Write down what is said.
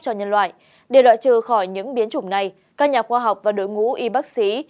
cho nhân loại để loại trừ khỏi những biến chủng này các nhà khoa học và đội ngũ y bác sĩ